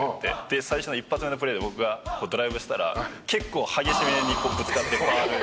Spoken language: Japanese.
で最初の一発目のプレーで僕がドライブしたら結構激しめにぶつかってファウルになって。